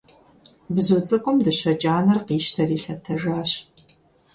Бзу цӀыкӀум дыщэ кӀанэр къищтэри лъэтэжащ.